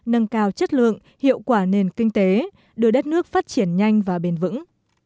nâng cao chất lượng hiệu quả nền kinh tế đưa đất nước phát triển nhanh và bền vững